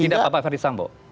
tidak bapak ferdisambo